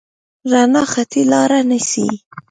رڼا خطي لاره نیسي.